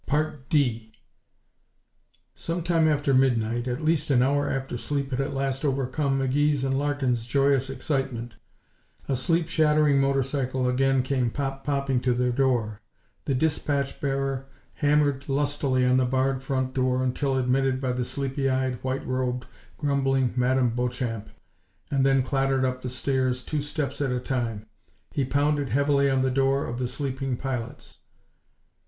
4 Sometime after midnight, at least an hour after sleep had at last overcome McGee's and Larkin's joyous excitement, a sleep shattering motor cycle again came pop popping to their door. The dispatch bearer hammered lustily on the barred front door until admitted by the sleepy eyed, white robed, grumbling Madame Beauchamp, and then clattered up the stairs, two steps at a time. He pounded heavily on the door of the sleeping pilots.